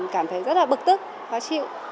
cảm thấy rất là bực tức khó chịu